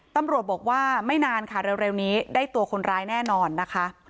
ตำรวจบอกว่าไม่นานค่ะเร็วนี้ได้ตัวคนร้ายแน่นอนนะคะ